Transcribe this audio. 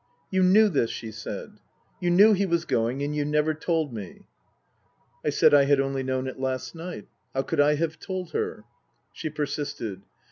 " You knew this," she said, " you knew he was going and you never told me ?" I said I had only known it last night how could I have told her ? She persisted.